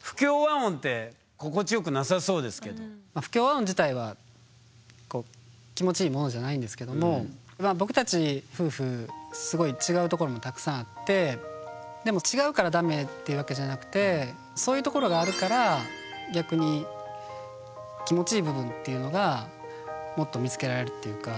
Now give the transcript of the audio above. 不協和音自体は気持ちいいものじゃないんですけども僕たち夫婦すごい違うところもたくさんあってでも違うからダメっていうわけじゃなくてそういうところがあるから逆に気持ちいい部分っていうのがもっと見つけられるっていうか。